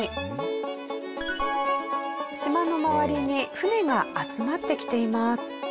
島の周りに船が集まってきています。